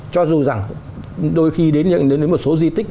cho dù rằng đôi khi đến một số di tích